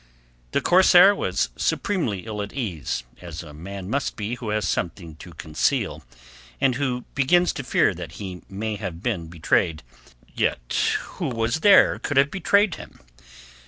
The corsair was supremely ill at ease, as a man must be who has something to conceal, and who begins to fear that he may have been betrayed. Yet who was there could have betrayed him?